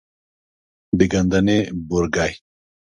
د ګندنې بورګی،